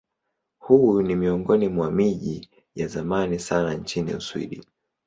Huu ni miongoni mwa miji ya zamani sana nchini Uswidi.